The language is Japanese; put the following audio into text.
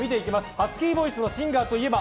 ハスキーヴォイスのシンガーといえば？